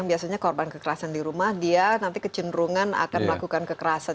jadi misalnya korban kekerasan di rumah dia nanti kecenderungan akan melakukan kekerasan